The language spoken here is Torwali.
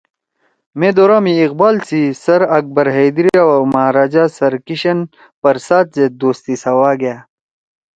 مے دورہ می اقبال سی سر اکبر حیدری او مہاراجہ سر کِشن پرساد سیت دوستی سوا گأ